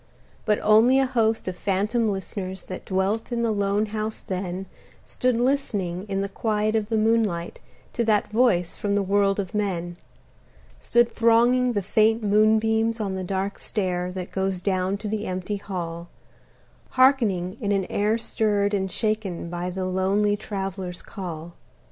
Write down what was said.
But only a host of phantom listeners That dwelt in the lone house then Stood listening in the quiet of the moonlight To that voice from the world of men: Stood thronging the faint moonbeams on the dark stair That goes down to the empty hall, Hearkening in an air stirred and shaken By the lonely Traveler's call.